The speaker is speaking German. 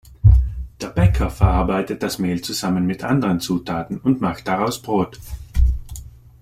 Der Bäcker verarbeitet das Mehl zusammen mit anderen Zutaten und macht daraus Brot.